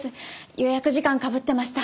予約時間かぶってました。